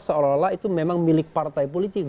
seolah olah itu memang milik partai politik